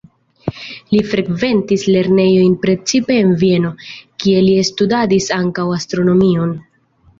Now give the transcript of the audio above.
Li frekventis lernejojn precipe en Vieno, kie li studadis ankaŭ astronomion.